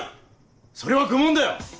それは愚問だよ！